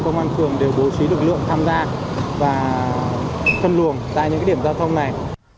công an phường đều bố trí lực lượng tham gia và phân luồng tại những điểm giao thông này